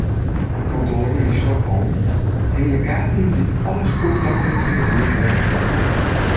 Op kantoaren yn Stockholm hingje kaarten dy’t alle skûlplakken yn ’e buert oanjouwe.